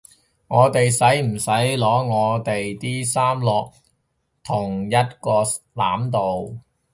我哋使唔使擺我地啲衫落同一個籃度？